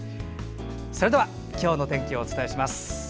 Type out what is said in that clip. それでは今日の天気をお伝えします。